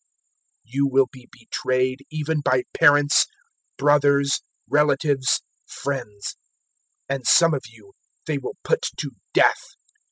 021:016 You will be betrayed even by parents, brothers, relatives, friends; and some of you they will put to death.